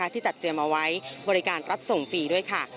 ที่จัดเตรียมเอาไว้บริการรับส่งฟรีด้วยค่ะ